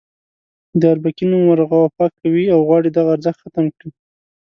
د اربکي نوم ورغوپه کوي او غواړي دغه ارزښت ختم کړي.